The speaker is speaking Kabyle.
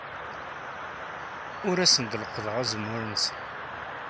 Ur asen-d-leqqḍeɣ azemmur-nsen.